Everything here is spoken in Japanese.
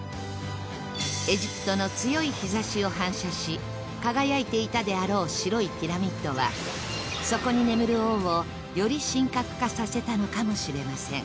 エジプトの強い日差しを反射し輝いていたであろう白いピラミッドはそこに眠る王をより神格化させたのかもしれません